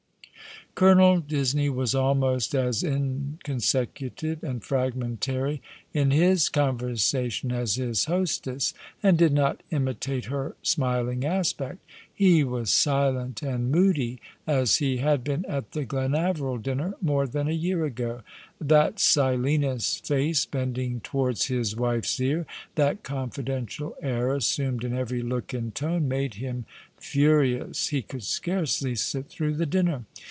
Colonel Disney was almost as inconsecutive and fragmentary in his conversation as his hostess, and did not imitate her smiling aspect. He was silent and moody, as he had been at the Glenaveril dinner, more than a year ago. That Silenus face bending towards his wife's ear — that confidential air assumed in every look and tone — made him furious. lie could scarcely sit through the dinner.